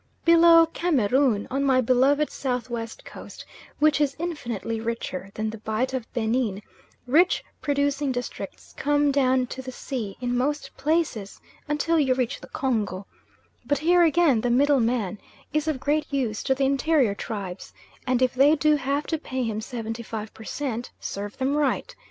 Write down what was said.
Below Cameroon, on my beloved South west coast, which is infinitely richer than the Bight of Benin, rich producing districts come down to the sea in most places until you reach the Congo; but here again the middleman is of great use to the interior tribes, and if they do have to pay him seventy five per cent, serve them right.